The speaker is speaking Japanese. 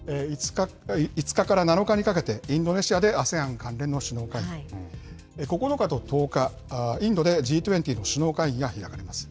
５日から７日にかけて、インドネシアでＡＳＥＡＮ関連の首脳会議、９日と１０日、インドでＧ２０の首脳会議が開かれます。